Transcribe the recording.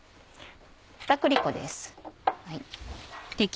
片栗粉です。